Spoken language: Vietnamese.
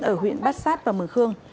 ở huyện bát sát và mường khương